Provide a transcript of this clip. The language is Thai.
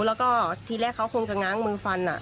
แล้วก็ทีแรกเขาคงจะง้างมือฟัน